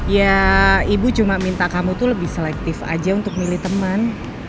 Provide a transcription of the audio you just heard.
ya ibu cuma minta kamu tuh lebih selektif aja untuk milih teman